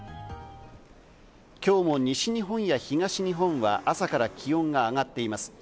今日も西日本や東日本は朝から気温が上がっています。